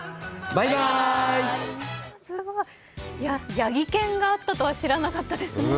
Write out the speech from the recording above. やぎ研があったとは知らなかったですね。